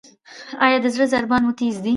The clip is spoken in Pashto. ایا د زړه ضربان مو تېز دی؟